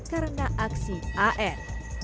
karena aksi an